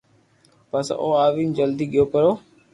پسي او او آوين جلدي گيو پرو